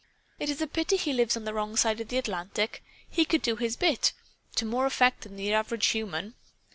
It's a pity he lives on the wrong side of the Atlantic. He could do his bit, to more effect than the average human.